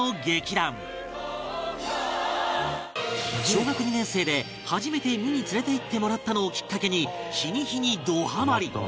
小学２年生で初めて見に連れて行ってもらったのをきっかけに日に日にどハマり